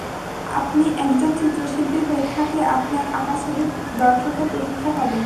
আপনি একজন চিত্রশিল্পী হয়ে থাকলে আপনার আঁকা ছবি দর্শকের প্রশংসা পাবে।